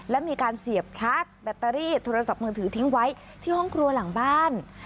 และมีการเสียบชาร์จแบตเตอรี่โทรศัพท์มือถือทิ้งไว้ที่ห้องครัวหลังบ้าน